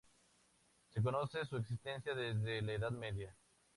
Se conoce su existencia desde la Edad Media.